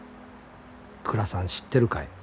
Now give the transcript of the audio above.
『倉さん知ってるかい？